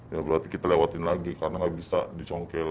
ya berarti kita lewatin lagi karena nggak bisa dicongkel